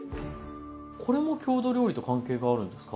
これも郷土料理と関係があるんですか？